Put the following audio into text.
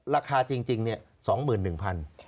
ราคาจริงนี้๒๑๐๐๐บาท